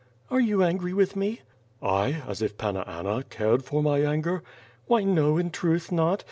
"Are you angry with me?" "T, as if Panna Anna cared for my anger!" "Why no, in truth, not.